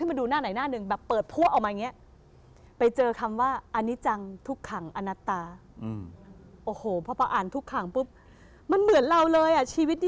มีร่างกายเป็นคำทุกขังและเป็นคำทุกขังเพื่อเคักสอบ